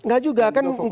nggak juga kan untuk